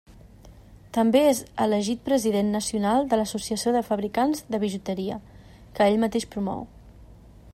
També és elegit president nacional de l'Associació de Fabricants de Bijuteria, que ell mateix promou.